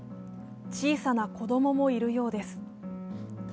小さな子供もいるようです。